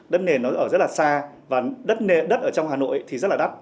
đất nền nó ở rất là xa và đất ở trong hà nội thì rất là đắt